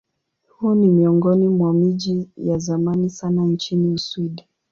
Huu ni miongoni mwa miji ya zamani sana nchini Uswidi.